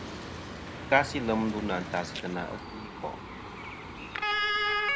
Kasi lem ndu nɨ̀ àntas kena ikunikò'.